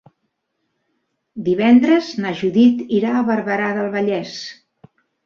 Divendres na Judit irà a Barberà del Vallès.